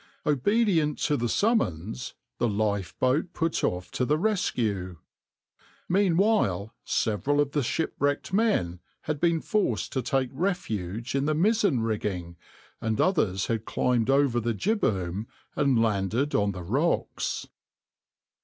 Obedient to the summons, the lifeboat put off to the rescue. Meanwhile several of the shipwrecked men had been forced to take refuge in the mizzen rigging, and others had climbed over the jibboom and landed on the rocks.